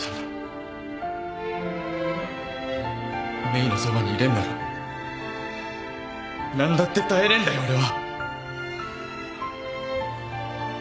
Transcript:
メイのそばにいれんなら何だって耐えれんだよ俺は。